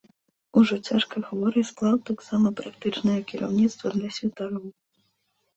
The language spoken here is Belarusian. Ужо цяжка хворы, склаў таксама практычнае кіраўніцтва для святароў.